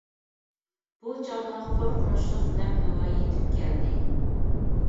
بۇ چاغدا قورقۇنچلۇق نەم ھاۋا يىتىپ كەلدى.